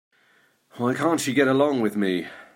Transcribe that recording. Why can't she get along with me?